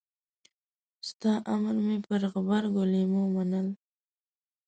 ستا امر مې پر غبرګو لېمو منل.